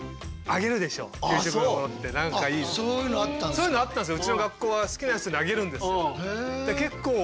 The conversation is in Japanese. そういうのあったんすよ。